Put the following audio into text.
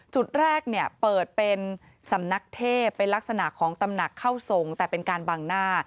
จุดแรกเนี่ยเปิดเป็นสำนักเทพเป็นลักษณะของตำหนักเข้าทรงแต่เป็นการบังหน้า